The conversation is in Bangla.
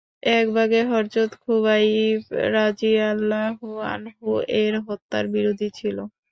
এক ভাগে হযরত খুবাইব রাযিয়াল্লাহু আনহু এর হত্যার বিরোধী ছিল।